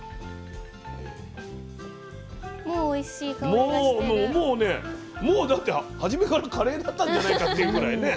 もうねもうだって初めからカレーだったんじゃないかっていうぐらいね。